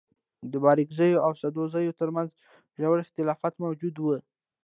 د بارکزيو او سدوزيو تر منځ ژور اختلافات موجود وه.